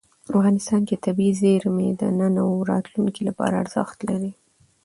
افغانستان کې طبیعي زیرمې د نن او راتلونکي لپاره ارزښت لري.